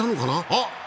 あっ！